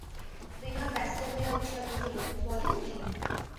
বিনয় ব্যস্ত হইয়া উঠিয়া কহিল, বলেন কী?